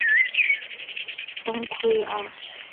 丈夫是同业后藤圭二。